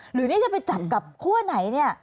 หรือนี่จะไปจับกับคู่อะไรนี่